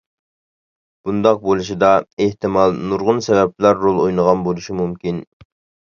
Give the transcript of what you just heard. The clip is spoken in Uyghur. بۇنداق بولۇشىدا ئېھتىمال نۇرغۇن سەۋەبلەر رول ئوينىغان بولۇشى مۇمكىن.